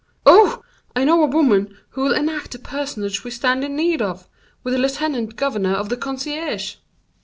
"Oh! I know a woman who will enact the personage we stand in need of, with the lieutenant governor of the concierge."